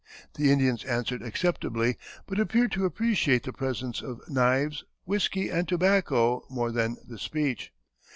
The Indians answered acceptably, but appeared to appreciate the presents of knives, whiskey, and tobacco more than the speech.